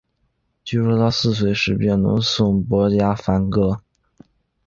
据说他四岁时便能吟诵薄伽梵歌。